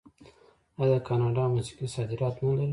آیا د کاناډا موسیقي صادرات نلري؟